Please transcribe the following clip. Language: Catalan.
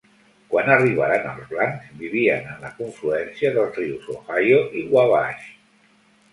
Quan arribaren els blancs vivien en la confluència dels rius Ohio i Wabash.